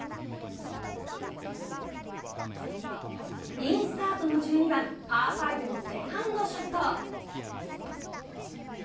インスタートの１２番パー５のセカンドショット。